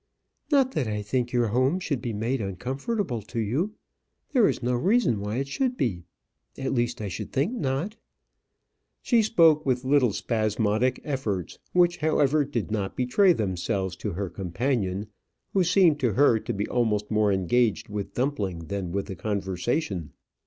"Not that I think your home should be made uncomfortable to you. There is no reason why it should be. At least, I should think not." She spoke with little spasmodic efforts, which, however, did not betray themselves to her companion, who seemed to her to be almost more engaged with Dumpling than with the conversation.